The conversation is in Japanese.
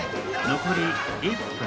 ・残り１分！